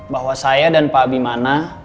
bahwa saya dan pak bimana